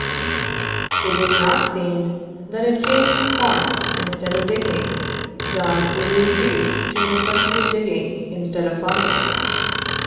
It is not seen, that if James farms instead of digging, John will be reduced to the necessity of digging instead of farming.